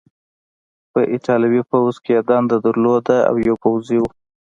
په ایټالوي پوځ کې یې دنده درلودله او یو پوځي و.